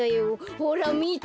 ほらみて。